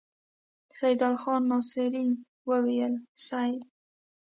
سيدال خان ناصري وويل: صېب!